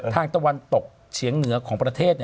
ตะวันตกเฉียงเหนือของประเทศ